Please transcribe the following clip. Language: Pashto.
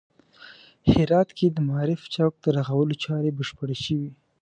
هرات کې د معارف چوک د رغولو چارې بشپړې شوې